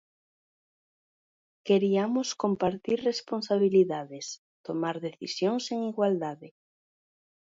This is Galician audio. Queriamos compartir responsabilidades, tomar decisións en igualdade.